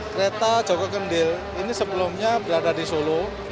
kereta joko kendil ini sebelumnya berada di solo